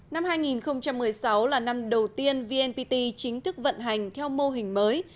năm hai nghìn một mươi sáu là năm đầu tiên vnpt chính thức vận hành theo mô hình mới